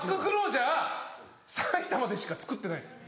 埼玉でしか作ってないんですよ。